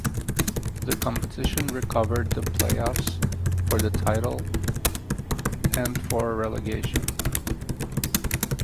The competition recovered the playoffs for the title and for relegation.